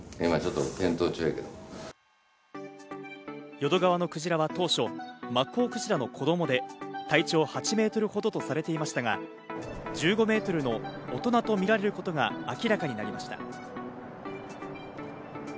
淀川のクジラは当初、マッコウクジラの子供で体長８メートルほどとされていましたが、１５メートルの大人と見られることが明らかになりました。